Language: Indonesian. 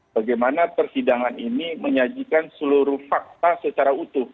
bagaimana persidangan ini menyajikan seluruh fakta secara utuh